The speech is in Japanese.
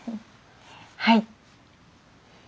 はい。